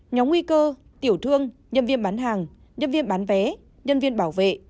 nhóm nguy cơ tiểu thương nhân viên bán hàng nhân viên bán vé nhân viên bảo vệ